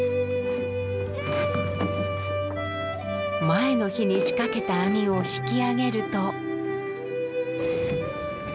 前の日に仕掛けた網を引き上げると。